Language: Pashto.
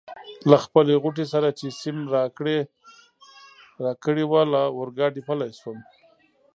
له خپلې غوټې سره چي سیم راکړې وه له اورګاډي پلی شوم.